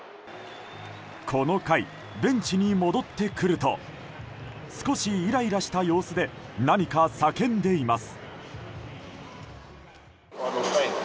この回、ベンチに戻ってくると少しイライラした様子で何か叫んでいます。